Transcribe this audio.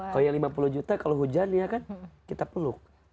kalau yang lima puluh juta kalau hujan ya kan kita peluk